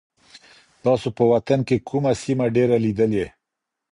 تاسو په وطن کي کومه سیمه ډېره لیدلې؟